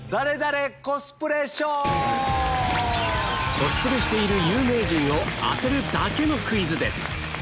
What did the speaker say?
コスプレしている有名人を当てるだけのクイズです